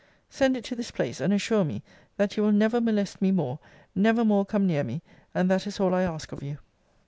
Send it to this place; and assure me, that you will never molest me more; never more come near me; and that is all I ask of you.